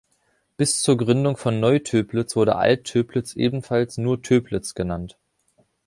Bis zur Gründung von Neu Töplitz wurde Alt Töplitz ebenfalls nur Töplitz genannt.